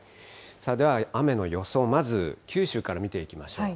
では雨の予想、まず九州から見ていきましょう。